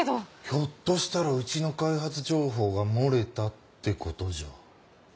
ひょっとしたらうちの開発情報が漏れたってことじゃ。